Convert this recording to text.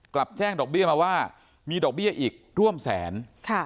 กลับแจ้งดอกเบี้ยมาว่ามีดอกเบี้ยอีกร่วมแสน